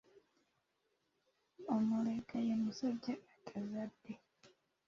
Omulega ye musajja atazadde.